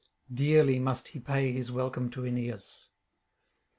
Dearly must he pay his welcome to Aeneas.'